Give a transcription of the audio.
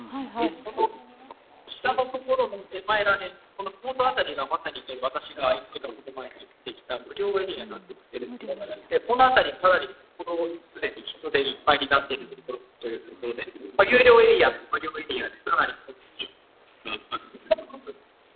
その下のところ、手前らへんの辺りがまさに私が１時間ほど前に行ってきた無料のエリアなんですけれども、この辺り、かなり歩道も既に人でいっぱいになっているということで、有料エリア、無料エリア、かなり混雑しています。